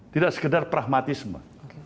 tidak sekedar pragmatisme